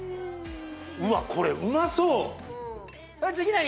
うわっこれうまそう次何？